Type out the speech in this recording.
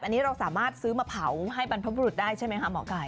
อันนี้เราสามารถซื้อมาเผาให้บรรพบรุษได้ใช่ไหมคะหมอไก่